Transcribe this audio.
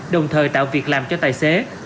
đồng thời tạo việc làm cho tài xế